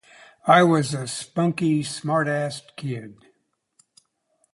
I was a spunky, smart-assed kid.